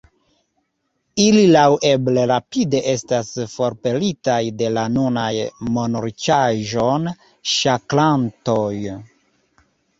Ili laŭeble rapide estas forpelitaj de la nunaj monriĉaĵon ŝakrantoj“.